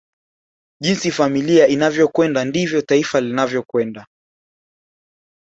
Jinsi familia inavyokwenda ndivyo taifa linavyokwenda